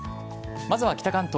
まずは北関東。